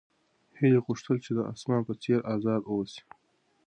هیلې غوښتل چې د اسمان په څېر ازاده اوسي.